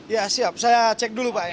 ya siap saya cek dulu pak